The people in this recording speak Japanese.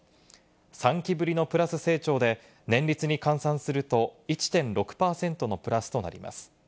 ３期ぶりのプラス成長で、年率に換算すると、１．６％のプラスとなります。